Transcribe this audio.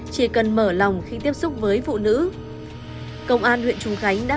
chỉ cần mở lòng khi tiếp xúc với phụ nữ công an huyện trùng khánh đã